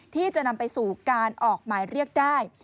ที่จะนำไปสู่การออกหมายเรียกได้